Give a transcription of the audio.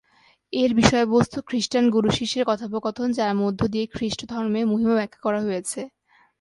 এর বিষয়বস্তু খ্রিস্টান গুরু-শিষ্যের কথোপকথন যার মধ্যে দিয়ে খ্রিস্ট ধর্মের মহিমা ব্যাখ্যা করা হয়েছে।